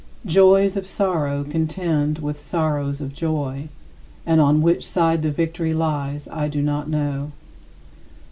Joys of sorrow contend with sorrows of joy, and on which side the victory lies I do not know.